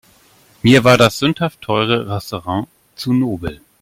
Mir war das sündhaft teure Restaurant zu nobel.